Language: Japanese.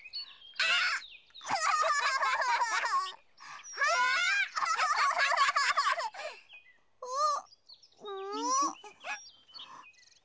あっ！